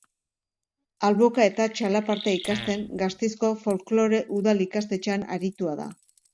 Alboka eta txalaparta ikasten Gazteizko folklore udal ikastetxean aritua da.